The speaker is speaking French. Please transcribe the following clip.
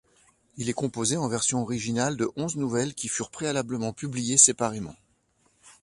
Il est composé en version originale de onze nouvelles qui furent préalablement publiées séparément.